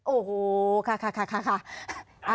โอ้โหค่ะค่ะค่ะค่ะ